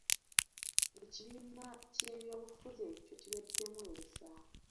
Ekibiina ky'ebyobufuzi ekyo kiweddemu ensa.